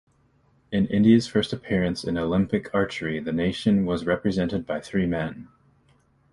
In India's first appearance in Olympic archery, the nation was represented by three men.